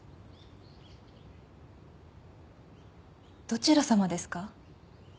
どちら様ですか？